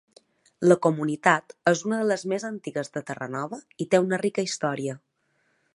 La comunitat és una de les més antigues de Terranova i té una rica història.